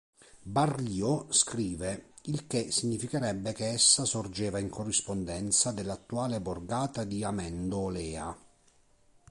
Barrio scrive: il che significherebbe che essa sorgeva in corrispondenza dell'attuale borgata di Amendolea.